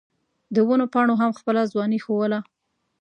د ونو پاڼو هم خپله ځواني ښووله.